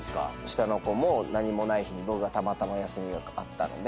下の子も何もない日に僕がたまたま休みがあったので。